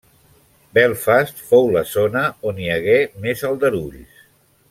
Belfast fou la zona on hi hagué més aldarulls.